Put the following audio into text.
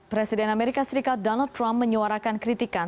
presiden amerika serikat donald trump menyuarakan kritikan